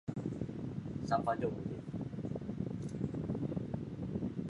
瓢箪藤棒粉虱为粉虱科棒粉虱属下的一个种。